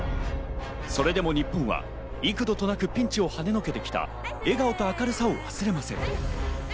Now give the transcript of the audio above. それでも日本は幾度となくピンチをはね除けてきた笑顔と明るさを忘れません。